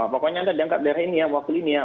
pokoknya anda dianggap daerah ini ya mewakili ini ya